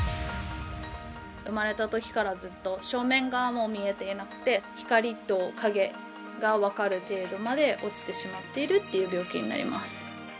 生まれたときからずっと正面側も見えていなくて光と影が分かる程度まで落ちてしまっているっていう病気になります。